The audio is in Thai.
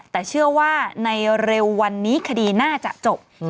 แต่เชื่อว่าในเร็ววันนี้คดีน่าจะจบ